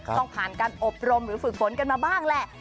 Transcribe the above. ต้องผ่านการอบรมหรือฝึกฝนกันมาบ้างแหละ